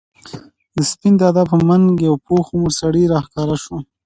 د سپين دادا په منګ یو پوخ عمر سړی راښکاره شو.